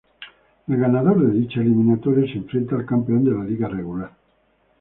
El ganador de dicha eliminatoria se enfrenta al campeón de la liga regular.